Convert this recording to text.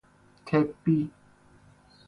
طبی